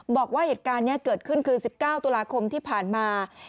บอกว่าเหตุการณ์นี้เกิดขึ้นคือ๑๙ตุลาคมที่ผ่านมา